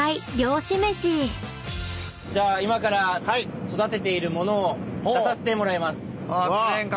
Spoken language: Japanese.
今から育てている物を出させてもらいます。